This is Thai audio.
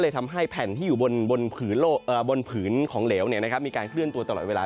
ทำให้แผ่นที่อยู่บนผืนของเหลวมีการเคลื่อนตัวตลอดเวลา